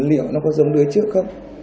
liệu nó có giống đứa trước không